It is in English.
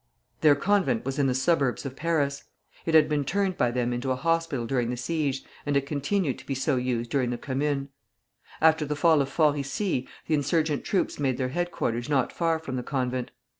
Their convent was in the suburbs of Paris; it had been turned by them into a hospital during the siege, and it continued to be so used during the Commune. After the fall of Fort Issy, the insurgent troops made their headquarters not far from the convent.